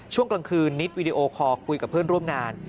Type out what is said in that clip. ช่วงกลางคืนนิดวีดีโอคอร์คุยกับเพื่อนร่วมงาน